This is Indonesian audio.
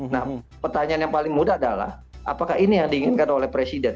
nah pertanyaan yang paling mudah adalah apakah ini yang diinginkan oleh presiden